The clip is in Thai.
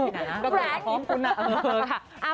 ก็เกิดมาพร้อมคุณนะ